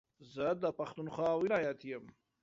زه دا پښتونخوا ولايت يم